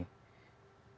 setiap partai tentu bahagia